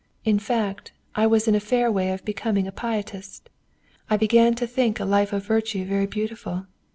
In fact, I was in a fair way of becoming a Pietist. I began to think a life of virtue very beautiful.